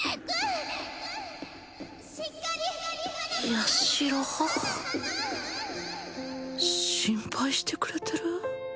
ヤシロ心配してくれてる？